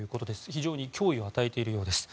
非常に脅威を与えているようです。